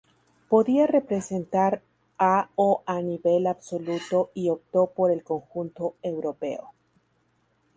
Podía representar a o a nivel absoluto y optó por el conjunto europeo.